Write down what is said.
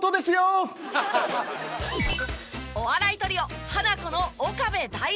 お笑いトリオハナコの岡部大さん。